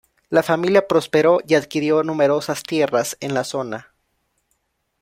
La familia prosperó y adquirió numerosas tierras en la zona.